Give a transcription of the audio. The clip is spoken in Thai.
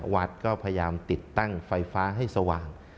วัดก็พยายามติดตั้งไฟฟ้าให้สว่าง